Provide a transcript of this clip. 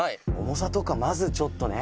「重さとかまずちょっとね」